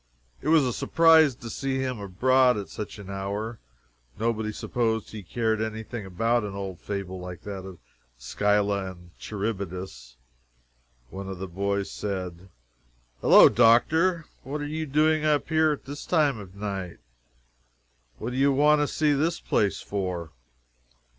It was a surprise to see him abroad at such an hour. Nobody supposed he cared anything about an old fable like that of Scylla and Charybdis. One of the boys said: "Hello, doctor, what are you doing up here at this time of night? What do you want to see this place for?"